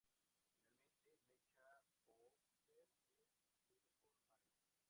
Finalmente, Mecha Bowser es destruido por Mario.